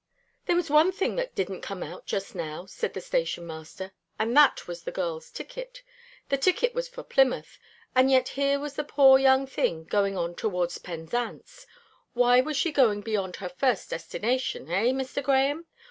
"There was one thing that didn't come out just now," said the station master, "and that was the girl's ticket. The ticket was for Plymouth; and yet here was this poor young thing going on towards Penzance. Why was she going beyond her first destination, eh, Mr. Grahame?